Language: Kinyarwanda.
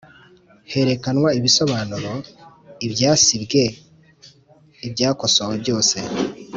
Herekanwa ibisobanuro ibyasibwe ibyakosowe byose